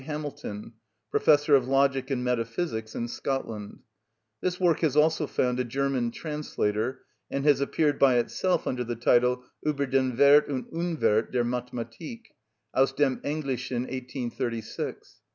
Hamilton, Professor of Logic and Metaphysics in Scotland. This work has also found a German translator, and has appeared by itself under the title, "Ueber den Werth und Unwerth der Mathematik" aus dem Englishen, 1836.